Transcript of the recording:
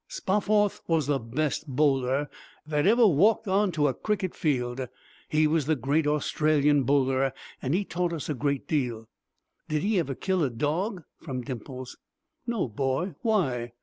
"Spofforth was the best bowler that ever walked on to a cricket field. He was the great Australian Bowler and he taught us a great deal." "Did he ever kill a dog?" from Dimples. "No, boy. Why?"